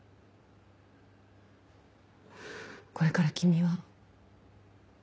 これから君は。